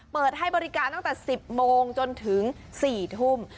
เปิดให้บริการตั้งแต่๑๐โมงจนถึง๔ทุ่ม